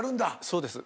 そうです。